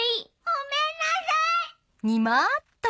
ごめんなさい！